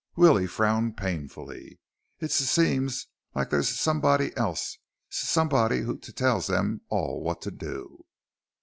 Willie frowned painfully. "It s seems like there's s somebody else. S somebody who t tells them all what to d do."